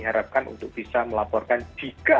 harapkan untuk bisa melaporkan jika